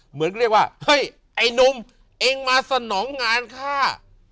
เหมือนเรียกว่าเฮ้ยไอ้นุ่มเองมาสนองงานฆ่า